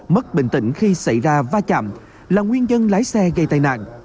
mất bình tĩnh khi xảy ra va chạm là nguyên nhân lái xe gây tai nạn